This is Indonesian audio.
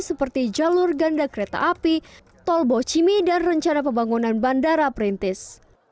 seperti jalur ganda kereta api tol bocimi dan rencana pembangunan bandara perintis